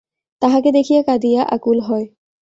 তাঁহাকে দেখিয়া কাঁদিয়া আকুল হয়।